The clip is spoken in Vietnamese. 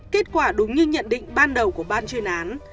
kết quả đúng như nhận định ban đầu của ban chuyên án